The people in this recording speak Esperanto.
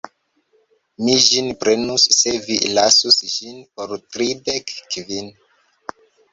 Mi ĝin prenus se vi lasus ĝin por tridek kvin.